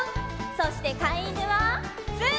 そしてかいいぬはつん！